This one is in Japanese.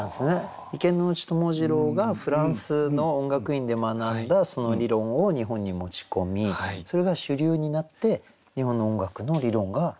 池内友次郎がフランスの音楽院で学んだ理論を日本に持ち込みそれが主流になって日本の音楽の理論が成り立っている。